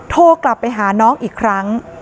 โทรกลับไปหาน้องอีกครั้ง